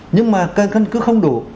nhưng mà cân cước không đủ